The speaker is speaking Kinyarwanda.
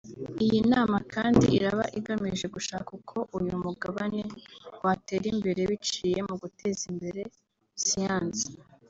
Iyi nama kandi iraba igamije gushaka uko uyu mugabane watera imbere biciye mu guteza imbere siyansi